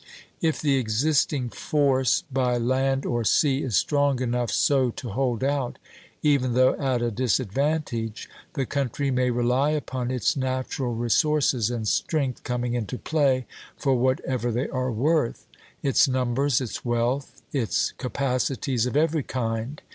If the existing force by land or sea is strong enough so to hold out, even though at a disadvantage, the country may rely upon its natural resources and strength coming into play for whatever they are worth, its numbers, its wealth, its capacities of every kind.